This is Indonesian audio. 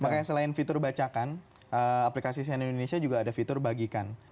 makanya selain fitur bacakan aplikasi sian indonesia juga ada fitur bagikan